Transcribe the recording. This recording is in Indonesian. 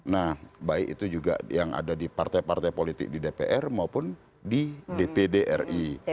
nah baik itu juga yang ada di partai partai politik di dpr maupun di dpd ri